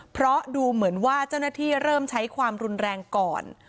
เพราะดูเหมือนว่าเจ้าหน้าที่เริ่มใช้ความรุนแรงก่อน